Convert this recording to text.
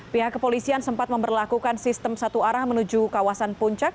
pihak kepolisian sempat memperlakukan sistem satu arah menuju kawasan puncak